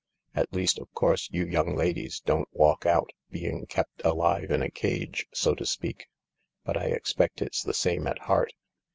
" At least, of course you young ladies don't walk out, being kept alive in a cage, so to speak, but I expect it's the same at heart.